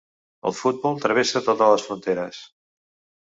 El futbol travessa totes les fronteres.